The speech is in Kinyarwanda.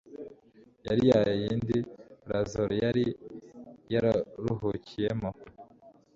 yari ya yindi Lazaro yari yararuhukiyemo.